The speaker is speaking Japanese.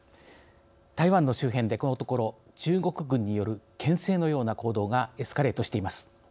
台湾の周辺で、このところ中国軍によるけん制のような行動がエスカレートしています。